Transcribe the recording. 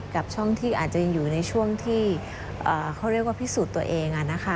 กับช่องที่อาจจะยังอยู่ในช่วงที่เขาเรียกว่าพิสูจน์ตัวเอง